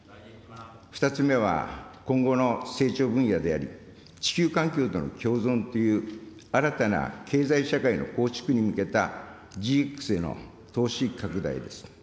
２つ目は、今後の成長分野であり、地球環境との共存という新たな経済社会の構築に向けたＧＸへの投資拡大です。